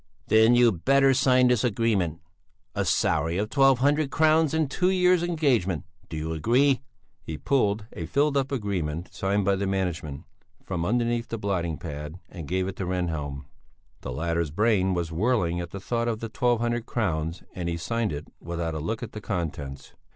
"Then you'd better sign this agreement. A salary of twelve hundred crowns and a two years' engagement. Do you agree?" He pulled a filled up agreement, signed by the management, from underneath the blotting pad, and gave it to Rehnhjelm. The latter's brain was whirling at the thought of the twelve hundred crowns and he signed it without a look at the contents.